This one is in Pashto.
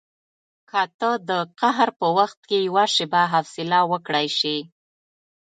که ته د قهر په وخت کې یوه شېبه حوصله وکړای شې.